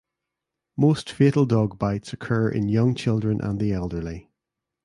Most fatal dog bites occur in young children and the elderly.